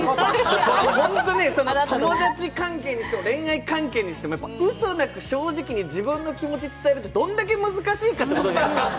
ホント、友達関係にしても恋愛関係にしても、うそなく正直に自分の気持ち伝えるってどんだけ難しいかってこと。